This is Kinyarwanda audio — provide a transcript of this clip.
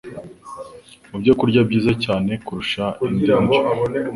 mu byokurya byiza cyane kurusha indi ndyo.